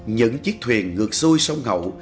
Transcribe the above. những chiếc thuyền ngược xuôi sông hậu